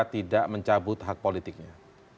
tidak mencabut hak politiknya